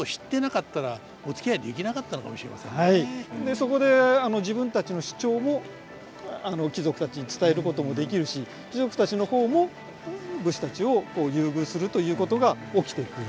そこで自分たちの主張も貴族たちに伝えることもできるし貴族たちの方も武士たちを優遇するということが起きてくる。